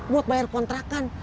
buat bayar kontrakan